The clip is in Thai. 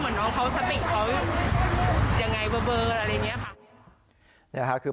เหมือนน้องเขาสติกเขายังไงเบอร์อะไรอย่างนี้